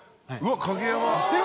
うわ影山。